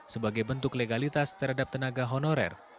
sebagai bentuk legalitas terhadap tenaga honorer